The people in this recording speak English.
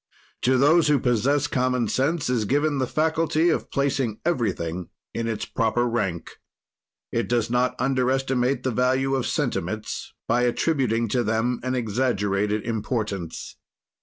To those who possess common sense is given the faculty of placing everything in its proper rank. It does not underestimate the value of sentiments by attributing to them an exaggerated importance.